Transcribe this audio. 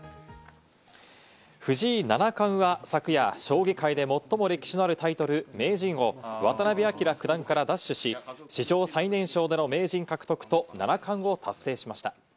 藤井七冠は昨夜、将棋界で最も歴史のあるタイトル、名人を渡辺明九段から奪取し、史上最年少での名人獲得と七冠を達成しました。